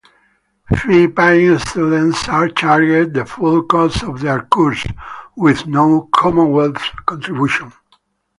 Fee-paying students are charged the full cost of their course, with no Commonwealth contribution.